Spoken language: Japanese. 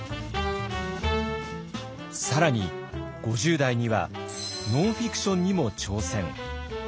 更に５０代にはノンフィクションにも挑戦。